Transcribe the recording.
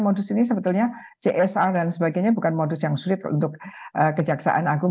modus ini sebetulnya csr dan sebagainya bukan modus yang sulit untuk kejaksaan agung